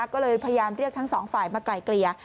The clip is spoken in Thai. ก็เลยพยายามเรียกทั้งสองฝ่ายมาไกลเกลี่ย